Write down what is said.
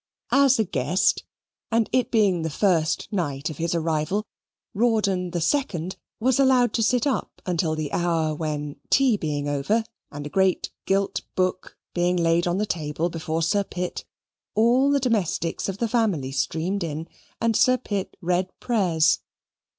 As a guest, and it being the first night of his arrival, Rawdon the Second was allowed to sit up until the hour when tea being over, and a great gilt book being laid on the table before Sir Pitt, all the domestics of the family streamed in, and Sir Pitt read prayers.